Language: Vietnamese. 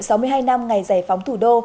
sáu mươi hai năm ngày giải phóng thủ đô